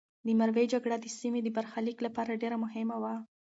د مروې جګړه د سیمې د برخلیک لپاره ډېره مهمه وه.